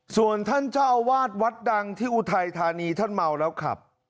ส่วนท่านเจ้าอาวาสวัดดังที่อุทัยธานีท่านเมาแล้วขับ